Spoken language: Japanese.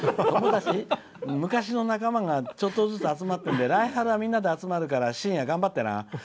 昔の仲間がちょっとずつ集まってるので来春はみんなで集まるからしんや、頑張ってな。